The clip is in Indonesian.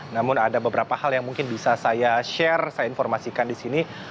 namun ada beberapa hal yang mungkin bisa saya share saya informasikan di sini